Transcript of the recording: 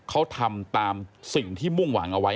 เขาทำตามสิ่งที่มุ่งหวังเอาไว้